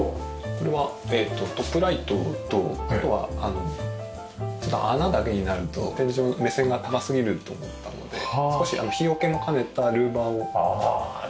これはトップライトとあとはちょっと穴だけになると天井の目線が高すぎると思ったので少し日よけも兼ねたルーバーを入れてます。